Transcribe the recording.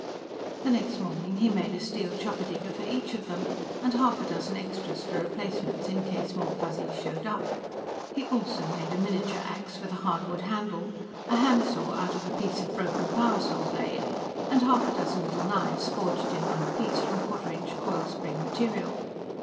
The next morning he made a steel chopper digger for each of them, and half a dozen extras for replacements in case more Fuzzies showed up. He also made a miniature ax with a hardwood handle, a handsaw out of a piece of broken power saw blade and half a dozen little knives forged in one piece from quarter inch coil spring material.